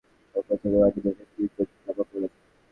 বেলা একটার দিকে হঠাৎ পাহাড়ের ওপর থেকে মাটি ধসে তিনজন চাপা পড়েন।